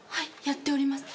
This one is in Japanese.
やっております。